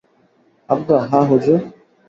আজ্ঞা হাঁ হুজুর।